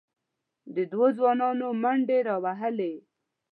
دوو ځوانانو منډې راوهلې،